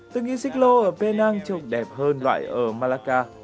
tôi nghĩ xích lô ở penang trông đẹp hơn loại ở malacca